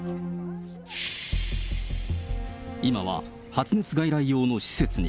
今は発熱外来用の施設に。